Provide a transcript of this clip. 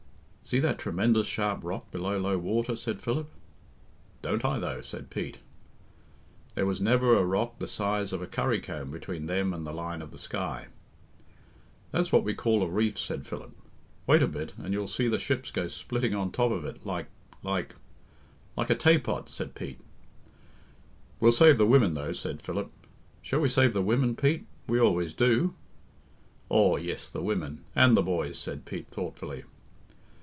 "See that tremendous sharp rock below low water?" said Philip. "Don't I, though?" said Pete. There was never a rock the size of a currycomb between them and the line of the sky. "That's what we call a reef," said Philip. "Wait a bit and you'll see the ships go splitting on top of it like like " "Like a tay pot," said Pete. "We'll save the women, though," said Philip. "Shall we save the women, Pete? We always do." "Aw, yes, the women and the boys," said Pete thoughtfully.